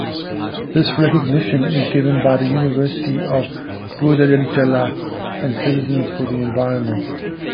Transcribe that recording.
This recognition is given by the University of Guadalajara and Citizens for the Environment.